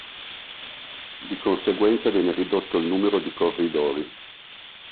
Di conseguenza viene ridotto il numero di corridori.